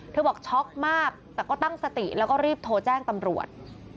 บอกช็อกมากแต่ก็ตั้งสติแล้วก็รีบโทรแจ้งตำรวจ